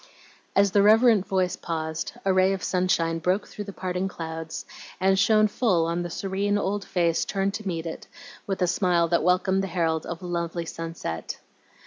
As the reverent voice paused, a ray of sunshine broke through the parting clouds, and shone full on the serene old face turned to meet it, with a smile that welcomed the herald of a lovely sunset.